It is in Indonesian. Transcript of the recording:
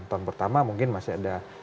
tahun pertama mungkin masih ada